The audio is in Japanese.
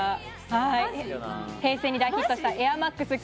平成にヒットしたエアマックス９５。